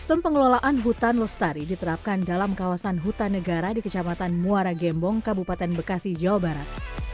sistem pengelolaan hutan lestari diterapkan dalam kawasan hutan negara di kecamatan muara gembong kabupaten bekasi jawa barat